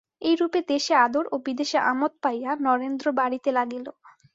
এই রূপে দেশে আদর ও বিদেশে আমোদ পাইয়া নরেন্দ্র বাড়িতে লাগিল।